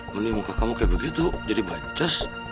meni muka kamu kayak begitu jadi bances